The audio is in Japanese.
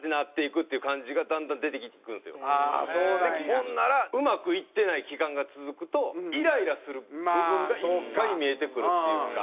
ほんならうまくいってない期間が続くとイライラする部分がいっぱい見えてくるっていうか。